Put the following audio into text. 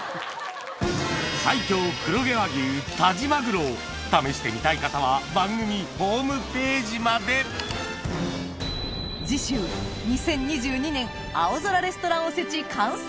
そうですね。試してみたい方は番組ホームページまで次週２０２２年「青空レストランおせち」完成